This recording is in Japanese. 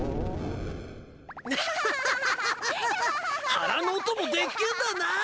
腹の音もでっけえんだな。